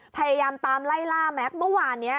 พยายามตามไล่ล่าแม็กซ์เมื่อวานนี้